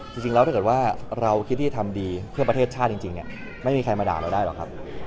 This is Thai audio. จริงแล้วถ้าเกิดว่าเราคิดที่จะทำดีเพื่อประเทศชาติจริงเนี่ยไม่มีใครมาด่าเราได้หรอกครับ